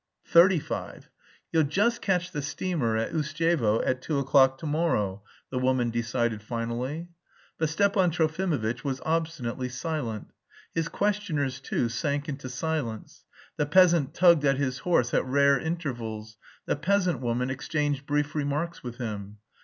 "Thirty five." "You'll just catch the steamer at Ustyevo at two o'clock tomorrow," the woman decided finally. But Stepan Trofimovitch was obstinately silent. His questioners, too, sank into silence. The peasant tugged at his horse at rare intervals; the peasant woman exchanged brief remarks with him.